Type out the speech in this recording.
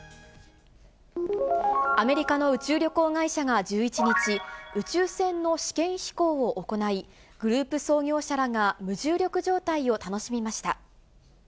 アメリカの宇宙旅行会社が１１日、宇宙船の試験飛行を行い、グループ創業者らが無重力状態を楽しみました。